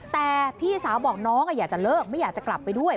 แต่พี่สาวบอกน้องอยากจะเลิกไม่อยากจะกลับไปด้วย